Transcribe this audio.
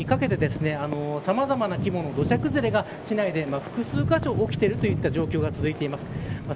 ただ、昨日から今日にかけてさまざまな規模の土砂崩れが市内で複数カ所起きているといった状況が続いています。